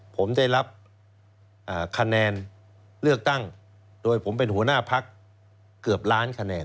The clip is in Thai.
ผมได้รับคะแนนเลือกตั้งโดยผมเป็นหัวหน้าพักเกือบล้านคะแนน